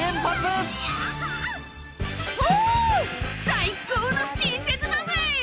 最高の新雪だぜ！」